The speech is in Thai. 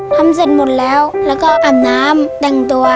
ทำเสร็จหมดแล้วแล้วก็อาบน้ำแต่งตัว